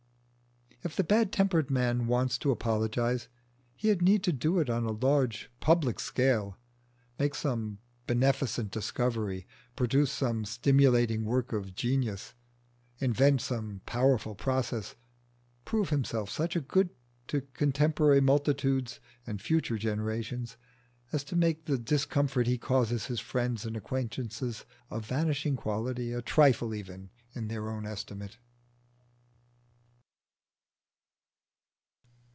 If the bad tempered man wants to apologise he had need to do it on a large public scale, make some beneficent discovery, produce some stimulating work of genius, invent some powerful process prove himself such a good to contemporary multitudes and future generations, as to make the discomfort he causes his friends and acquaintances a vanishing quality, a trifle even in their own estimate.